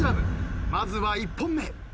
まずは１本目。